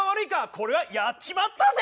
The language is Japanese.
これはやっちまったぜ！